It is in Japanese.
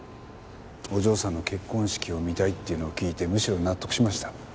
お嬢さんの結婚式を見たいっていうのを聞いてむしろ納得しました。